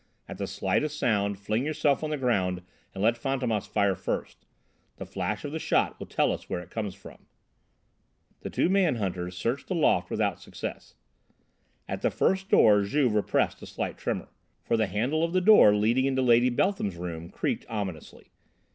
At the slightest sound fling yourself on the ground and let Fantômas fire first; the flash of the shot will tell us where it comes from." The two man hunters searched the loft without success. At the first floor Juve repressed a slight tremor, for the handle of the door leading into Lady Beltham's room creaked ominously.